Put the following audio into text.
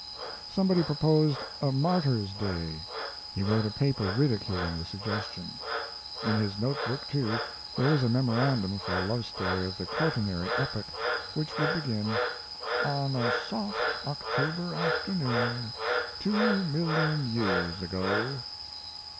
Somebody proposed a Martyrs' Day; he wrote a paper ridiculing the suggestion. In his note book, too, there is a memorandum for a love story of the Quarternary Epoch which would begin, "On a soft October afternoon 2,000,000 years ago."